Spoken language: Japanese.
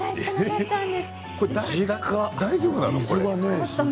大丈夫なの？